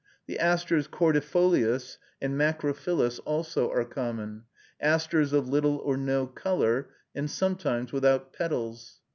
The asters cordifolius and macrophyllus also are common, asters of little or no color, and sometimes without petals.